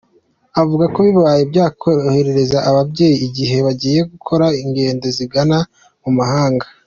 Avuga ko bibaye byakorohereza ababyeyi igihe bagiye gukora ingendo zigana mu mahanga.